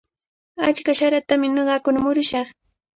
Achka saratami ñuqakuna murushaq.